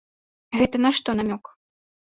Гэта на што намёк?